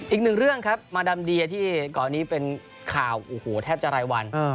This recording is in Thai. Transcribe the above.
อีกหนึ่งเรื่องครับมาดามเดียที่ก่อนนี้เป็นข่าวโอ้โหแทบจะรายวัน